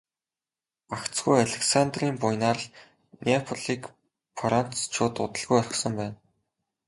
Гагцхүү Александрын буянаар л Неаполийг францчууд удалгүй орхисон байна.